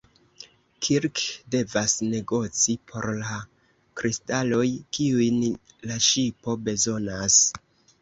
Kirk devas negoci por la kristaloj, kiujn la ŝipo bezonas.